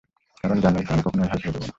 কারণ জানোই তো, আমি কখনোই হাল ছেড়ে দেবো না।